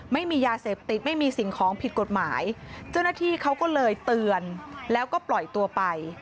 ไม่มียาเสพติดไม่มีสิ่งของผิดกฎหมายเจ้าหน้าที่เขาก็เลยเตือนแล้วก็ปล่อยตัวไป